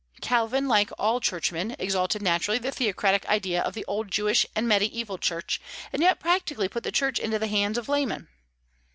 Calvin, like all churchmen, exalted naturally the theocratic idea of the old Jewish and Mediaeval Church, and yet practically put the Church into the hands of laymen.